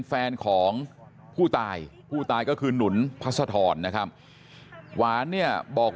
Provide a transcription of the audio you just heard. แฟนของผู้ตายผู้ตายก็คือหนุนพัศธรนะครับหวานเนี่ยบอก